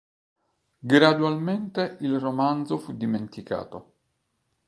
Gradualmente il romanzo fu dimenticato.